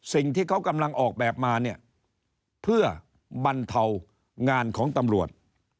สิ่งที่เขากำลังออกแบบมาเนี่ยเพื่อบรรเทางานของตำรวจ